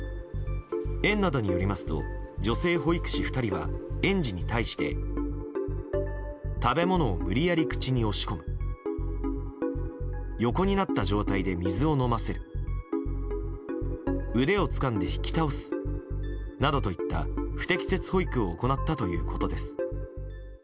園などによりますと女性保育士２人は、園児に対して食べ物を無理やり口に押し込む横になった状態で水を飲ませる腕をつかんで引き倒すなどといった不適切保育を行ったということです。